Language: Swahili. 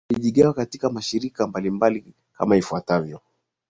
hawa walijigawa katika mashirika mbalimbali kama ifuatavyo